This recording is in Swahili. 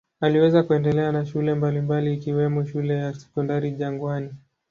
Aliweza kuendelea na shule mbalimbali ikiwemo shule ya Sekondari Jangwani.